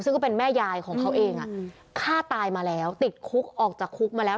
ซึ่งก็เป็นแม่ยายของเขาเองฆ่าตายมาแล้วติดคุกออกจากคุกมาแล้ว